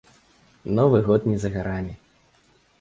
Новы год не за гарамі.